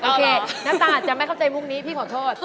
โอเคน้ำตาอาจะไม่เข้าใจพวกนี้พี่ขอโทษ